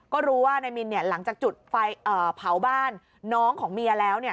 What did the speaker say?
ก็รู้ว่านายมินหลังจากจุดไฟเผาบ้านน้องของเมียแล้ว